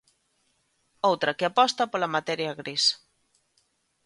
Outra que aposta pola materia gris.